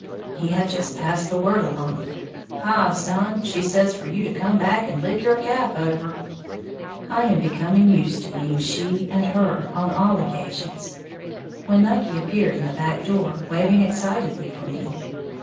He had just passed the word along, "Hi, son, she says for you to come back and lick your calf over!" (I am becoming used to being "she" and "her" on all occasions) when Nucky appeared in the back door, waving excitedly for me.